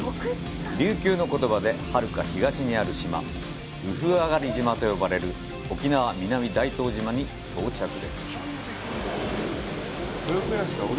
琉球の言葉で、はるか東にある島、「うふあがり島」と呼ばれる沖縄・南大東島に到着です。